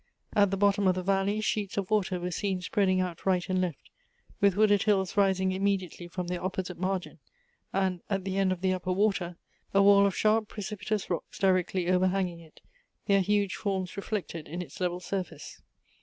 At the bottom of the valley, sheets of water were 'seen spreading out right .and left, with wooded hills rising immediately from their opjiosite margin, and at the end of the upper watcrjila wall of sharp, precipitous rocks directly overhanging it, their huge forms reflected in its level surface.